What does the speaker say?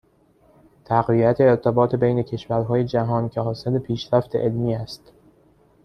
تقویت ارتباط بین کشورهای جهان که حاصل پیشرفت علمی است